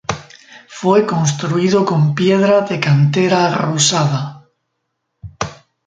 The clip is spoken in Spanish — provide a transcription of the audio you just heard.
Fue construido con piedra de cantera rosada.